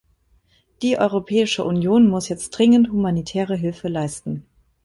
Die Europäische Union muss jetzt dringend humanitäre Hilfe leisten.